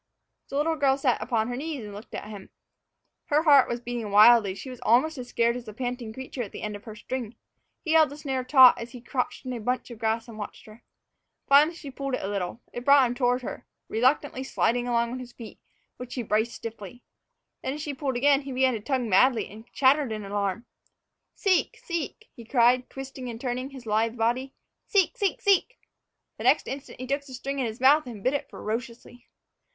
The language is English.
The little girl sat upon her knees and looked at him. Her heart was beating wildly, and she was almost as scared as the panting creature at the end of her string. He held the snare taut as he crouched in a bunch of grass and watched her. Finally, she pulled at it a little. It brought him toward her, reluctantly sliding along on his feet, which he braced stiffly. Then, as she pulled again, he began to tug madly, and clattered in alarm. "Seek seek!" he cried, twisting and turning his lithe body; "seek seek seek!" The next instant he took the string into his mouth and bit it ferociously.